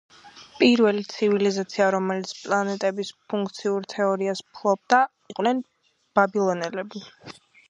პირველი ცივილიზაცია, რომელიც პლანეტების ფუნქციურ თეორიას ფლობდა, იყვნენ ბაბილონელები,